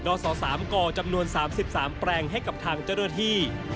โดยสอบสามกจำนวน๓๓แปลงให้กับทางเจ้าเรือที่